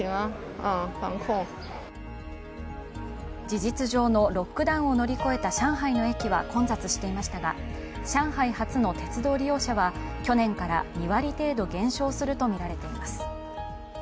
事実上のロックダウンを乗り越えた上海の駅は混雑していましたが上海発の鉄道利用者は去年から２割程度減少するとみられています。